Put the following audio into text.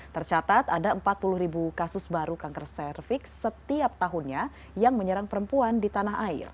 tercatat ada empat puluh ribu kasus baru kanker cervix setiap tahunnya yang menyerang perempuan di tanah air